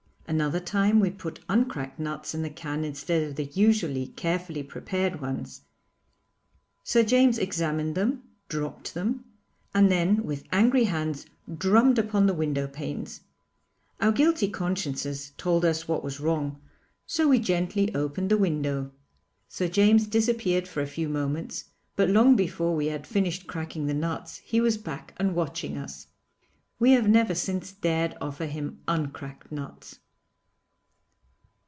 Another time we put uncracked nuts in the can instead of the usually carefully prepared ones. Sir James examined them, dropped them, and then with angry hands drummed upon the window panes. Our guilty consciences told us what was wrong, so we gently opened the window. Sir James disappeared for a few moments, but long before we had finished cracking the nuts he was back and watching us. We have never since dared offer him uncracked nuts.